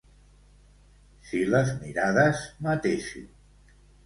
Si les mirades matessin...